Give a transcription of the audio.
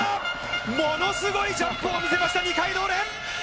ものすごいジャンプを見せました二階堂蓮！